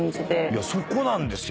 そこなんですよ。